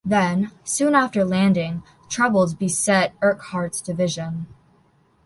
Then, soon after landing, troubles beset Urquhart's division.